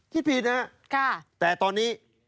คิดผิดนะครับแต่ตอนนี้